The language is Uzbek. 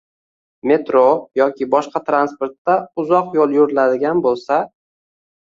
Metro yoki boshqa transportda uzoq yo‘l yuriladigan bo‘lsa